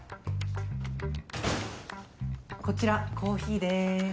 こちらコーヒーです。